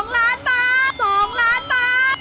๒ล้านบาท๒ล้านบาท